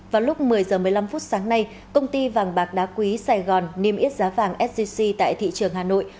vào lúc một mươi h một mươi năm phút sáng nay công ty vàng bạc đá quý sài gòn niêm yết giá vàng sgc tại thị trường hà nội